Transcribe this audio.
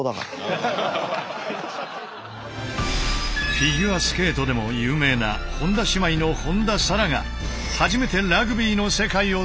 フィギュアスケートでも有名な本田姉妹の本田紗来が初めてラグビーの世界を体験。